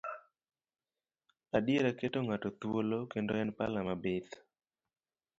Adiera keto ng'ato thuolo, kendo en pala mabith.